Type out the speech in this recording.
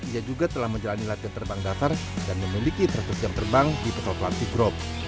ia juga telah menjalani latihan terbang dasar dan memiliki seratus jam terbang di pesawat plastik group